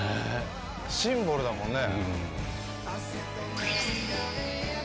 シンボルだもんね。